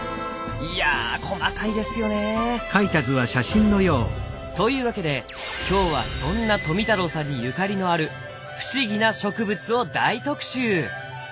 いや細かいですよねえ。というわけで今日はそんな富太郎さんにゆかりのある不思議な植物を大特集！